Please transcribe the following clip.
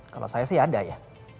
kalau saya sih ada ya